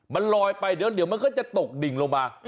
มันลอยไปเดี๋ยวมันก็จะตกดิ่งลงมา